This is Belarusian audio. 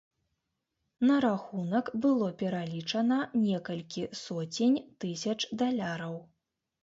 На рахунак было пералічана некалькі соцень тысяч даляраў.